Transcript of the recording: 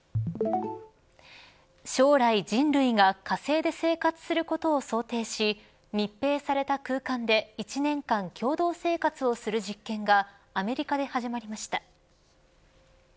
将来人類が火星で生活することを想定し密閉された空間で１年間共同生活をする実験がアメリカで始まりました。